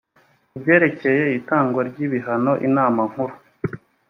ku byerekeye itangwa ry ibihano inama nkuru